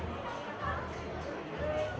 ไม่สักเคหมาย